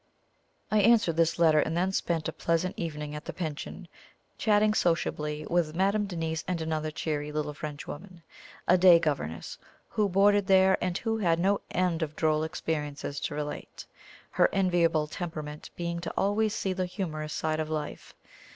I answered this letter, and then spent a pleasant evening at the Pension, chatting sociably with Madame Denise and another cheery little Frenchwoman, a day governess, who boarded there, and who had no end of droll experiences to relate, her enviable temperament being to always see the humorous side of life.